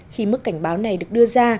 khi mức cảnh báo này được đưa ra